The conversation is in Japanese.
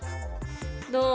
どう？